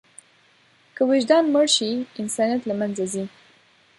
که وجدان مړ شي، انسانیت له منځه ځي.